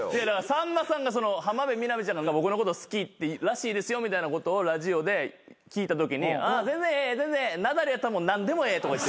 さんまさんが浜辺美波ちゃんが僕のこと好きらしいですよみたいなことをラジオで聞いたときに「全然ええ全然ええナダルやったらもう何でもええ」